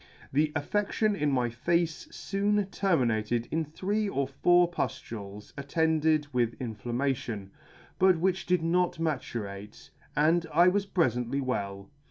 The affedion in my face foon terminated in three or four puftules [ i8o ] puftules attended with inflammation, but which did not matu rate, and I was prefently well.